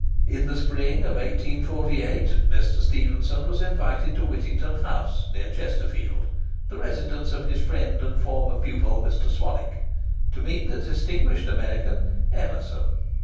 In the spring of 1848 Mr. Stephenson was invited to Whittington House, near Chesterfield, the residence of his friend and former pupil, Mr. Swanwick, to meet the distinguished American, Emerson.